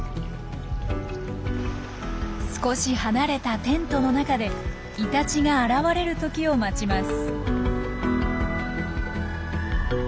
少し離れたテントの中でイタチが現れる時を待ちます。